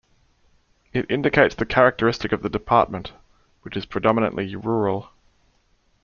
It indicates the characteristic of the département, which is predominantly rural.